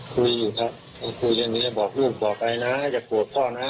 คุยอยู่ครับคุยอย่างเงี้ยบอกลูกบอกอะไรนะอย่ากลัวพ่อนะ